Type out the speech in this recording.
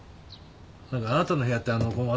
何かあなたの部屋ってあのう。